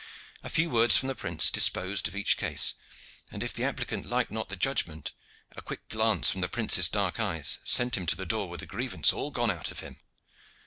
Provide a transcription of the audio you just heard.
A few words from the prince disposed of each case, and, if the applicant liked not the judgment, a quick glance from the prince's dark eyes sent him to the door with the grievance all gone out of him.